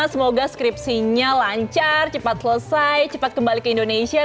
semoga skripsinya lancar cepat selesai cepat kembali ke indonesia